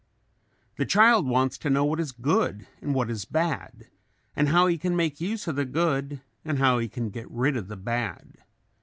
The child wants to know what is good and what is bad and how he can make use of the good and how he can get rid of the bad.